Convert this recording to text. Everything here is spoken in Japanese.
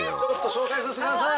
紹介させてください！